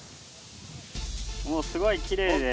もうすごいきれいです。